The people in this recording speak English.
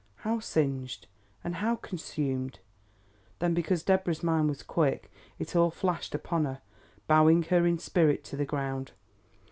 How singed and how consumed? Then because Deborah's mind was quick, it all flashed upon her, bowing her in spirit to the ground.